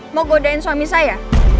mau godain suami saya